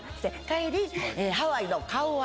帰り。